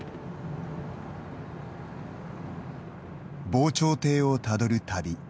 防潮堤をたどる旅。